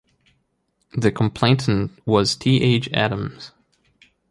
The complainant was T H Adams.